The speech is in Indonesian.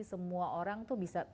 semua orang itu bisa